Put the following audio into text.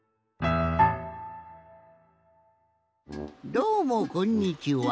どうもこんにちは。